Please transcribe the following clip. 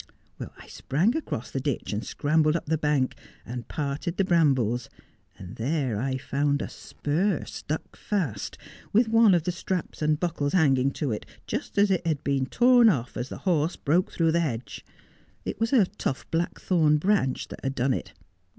I sprang across the ditch, and scrambled up the bank, and parted the brambles, and there I found a spur stuck fast, with one of the straps and buckles hanging to it, just as it had been torn off, as the horse broke through the hedge. It was a tough blackthorn branch that had done it.